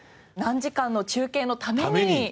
何時間の中継のために。